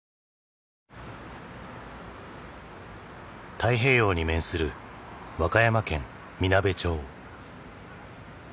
太平洋に面する和歌山県みなべ町。